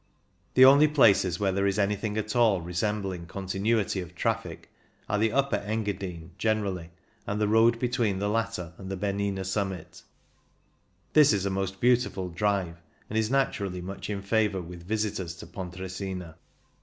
The only places where there is any thing at all resembling continuity of traffic are the Upper Engadine, generally, and the road between the latter and the Bernina summit. This is a most beautiful drive, and is naturally much in favour with visitors to Pontresina.